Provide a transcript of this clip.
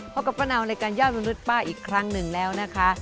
พบกับป้าเนาในการยอดมนุษย์ป้าอีกครั้งหนึ่งแล้วนะคะ